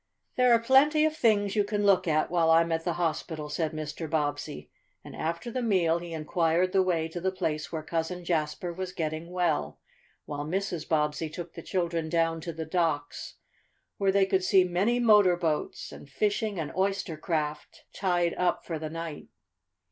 "There are plenty of things you can look at while I'm at the hospital," said Mr. Bobbsey, and after the meal he inquired the way to the place where Cousin Jasper was getting well, while Mrs. Bobbsey took the children down to the docks, where they could see many motor boats, and fishing and oyster craft, tied up for the night.